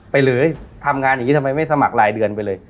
หรือทำงานอย่างนี้ทำไมไม่สมัครรายเดือนไปเลย